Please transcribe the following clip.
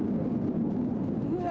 うわ！